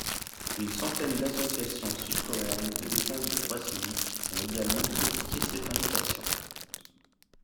Une centaine d’associations sud-coréennes de défense des droits civiques ont également critiqué cette invitation.